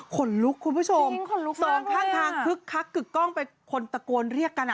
ขนลุกคุณผู้ชมสองข้างทางคึกคักกึกกล้องไปคนตะโกนเรียกกันอ่ะ